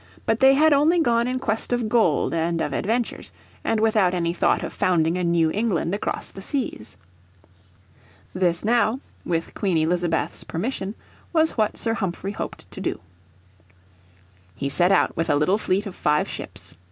But they had only gone in quest of gold and of adventures, and without any thought of founding a New England across the seas. This now, with Queen Elizabeth's permission, was what Sir Humphrey hoped to do. He set out with a little fleet of five ships.